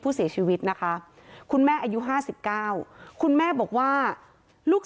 ผู้เสียชีวิตนะคะคุณแม่อายุ๕๙คุณแม่บอกว่าลูก